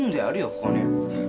ここに！